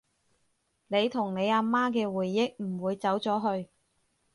你同你阿媽嘅回憶唔會走咗去